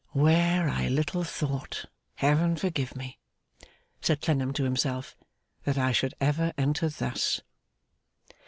'Where I little thought, Heaven forgive me,' said Clennam to himself, 'that I should ever enter thus!